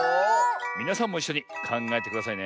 みなさんもいっしょにかんがえてくださいね。